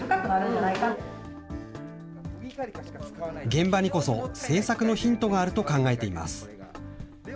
現場にこそ政策のヒントがあると考えています。